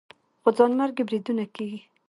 خو ځانمرګي بریدونه کېږي